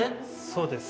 ◆そうです。